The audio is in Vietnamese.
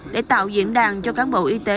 để tạo diễn đàn cho các bộ y tế